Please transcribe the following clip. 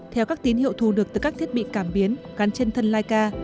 theo các tín hiệu thu được từ các thiết bị cảm biến gắn trên thân laika